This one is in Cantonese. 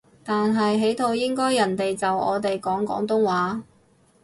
但係喺度應該人哋就我哋講廣東話